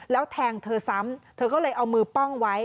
แล้วแทงเธอซ้ำเธอก็เลยเอามือป้องไว้